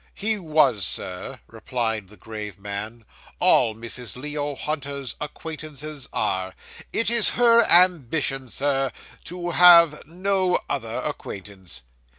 'He was Sir,' replied the grave man, 'all Mrs. Leo Hunter's acquaintances are; it is her ambition, sir, to have no other acquaintance.